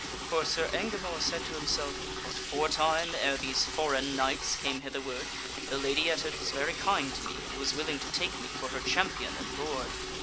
For Sir Engamore said to himself, "Aforetime, ere these foreign knights came hitherward, the Lady Ettard was very kind to me, and was willing to take me for her champion and lord.